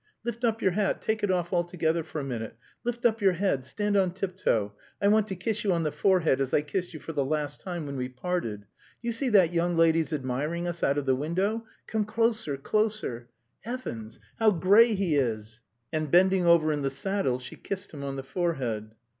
... Lift up your hat, take it off altogether for a minute, lift up your head, stand on tiptoe, I want to kiss you on the forehead as I kissed you for the last time when we parted. Do you see that young lady's admiring us out of the window? Come closer, closer! Heavens! How grey he is!" And bending over in the saddle she kissed him on the forehead.